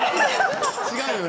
違うよね。